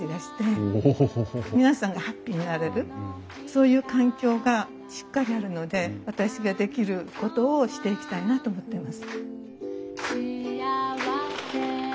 皆さんがハッピーになれるそういう環境がしっかりあるので私ができることをしていきたいなと思ってます。